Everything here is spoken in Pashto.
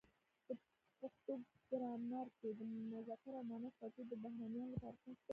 په پښتو ګرامر کې د مذکر او مونث توپیر د بهرنیانو لپاره سخت دی.